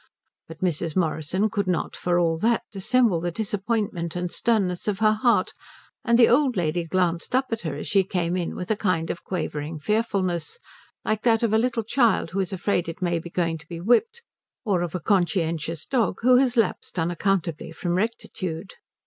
But Mrs. Morrison could not for all that dissemble the disappointment and sternness of her heart, and the old lady glanced up at her as she came in with a kind of quavering fearfulness, like that of a little child who is afraid it may be going to be whipped, or of a conscientious dog who has lapsed unaccountably from rectitude.